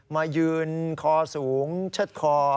มายืนคอสูงเชิดคอ